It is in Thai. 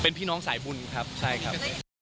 เป็นพี่น้องสายบุญครับใช่ครับ